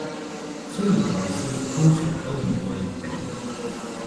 雖然老師通常都唔會唔俾